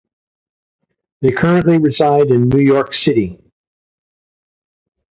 They currently reside in New York City.